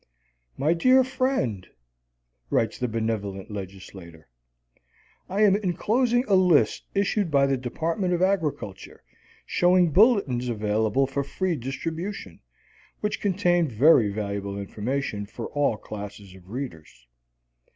"My dear friend," writes the benevolent legislator, "I am inclosing a list issued by the Department of Agriculture showing bulletins available for free distribution, which contain very valuable information for all classes of readers."